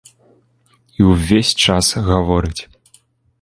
І ўвесь час гаворыць.